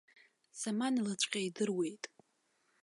Заманалаҵәҟьа идыруеит.